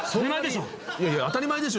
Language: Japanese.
当たり前でしょ。